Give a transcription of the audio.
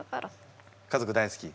家族大好き？